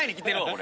俺。